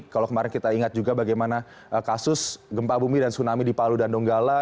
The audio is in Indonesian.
kalau kemarin kita ingat juga bagaimana kasus gempa bumi dan tsunami di palu dan donggala